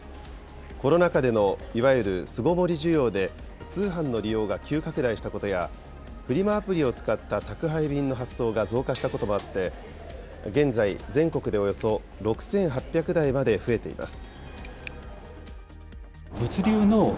コロナ禍でのいわゆる巣ごもり需要で、通販の利用が急拡大したことや、フリマアプリを使った宅配便の発送が増加したこともあって、現在、全国でおよそ６８００台まで増えています。